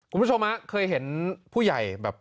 คุณผู้ชมเคยเห็นผู้ใหญ่แบบ